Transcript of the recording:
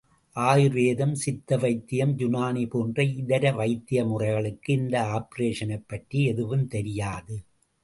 ஆயுர்வேதம், சித்த வைத்தியம், யூனானி போன்ற இதர வைத்திய முறைகளுக்கு இந்த ஆப்பரேஷனைப் பற்றி எதுவும் தெரியாது.